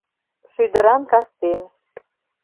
Шӱдыран кастен